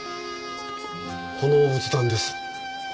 この仏壇です。